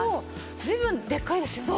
随分でっかいですよね。